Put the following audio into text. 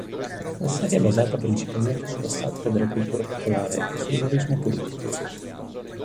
La serie è basata principalmente sulla satira della cultura popolare e sull'umorismo politico.